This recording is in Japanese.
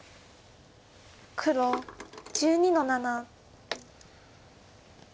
黒１２の七。